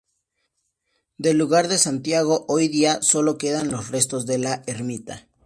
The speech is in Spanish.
Del lugar de Santiago hoy día sólo quedan los restos de la ermita.